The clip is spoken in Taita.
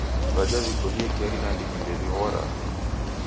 W'aja w'iko w'iekeri nandighi ndew'ihoraa.